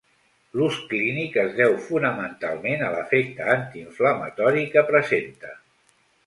L'ús clínic es deu fonamentalment a l'efecte antiinflamatori que presenta.